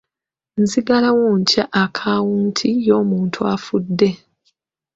Nzigalawo ntya akaawunti y'omuntu afudde?